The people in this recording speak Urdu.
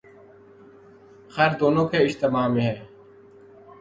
خیر دونوں کے اجتماع میں ہے۔